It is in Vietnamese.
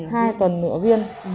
hai tuần nửa viên